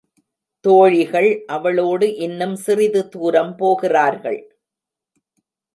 தோழிகள் அவளோடு இன்னும் சிறிது தூரம் போகிறார்கள்.